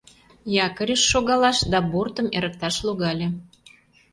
Якорьыш шогалаш да бортым эрыкташ логале.